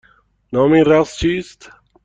نام این رقص چیست؟